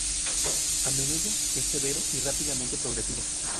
A menudo es severo y rápidamente progresivo.